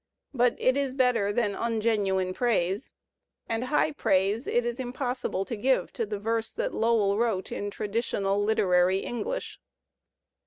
But it is better than ungenuine praise; and high praise it is impossible to give to the verse that Lowell wrote in traditional literary English.